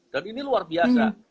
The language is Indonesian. dan ini luar biasa